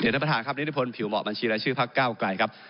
ท่านประธานนิสพนธ์ผิวเหมาะบัญชีและชื่อภาคเก้าไกรนะครับ